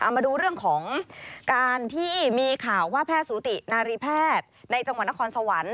มาดูเรื่องของการที่มีข่าวว่าแพทย์สูตินารีแพทย์ในจังหวัดนครสวรรค์